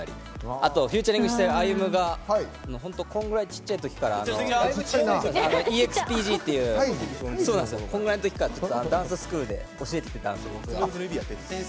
あとフィーチャリングしてるＡｙｕｍｕがこんぐらいちっちゃいときからＥＸＰＧでこんぐらいのときからダンススクールで教えてた。